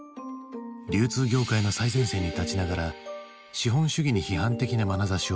流通業界の最前線に立ちながら資本主義に批判的なまなざしを向ける堤。